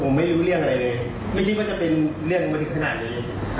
ผมไม่รู้เรื่องอะไรเลยไม่คิดว่าจะเป็นเรื่องมาถึงขนาดนี้